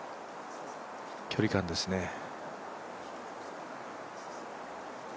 距離感ですね。